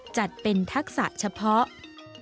จัดเป็นทักษะเฉพาะ